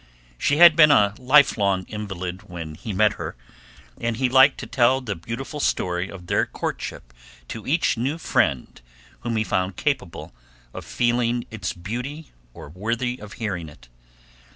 She had been a lifelong invalid when he met her, and he liked to tell the beautiful story of their courtship to each new friend whom he found capable of feeling its beauty or worthy of hearing it.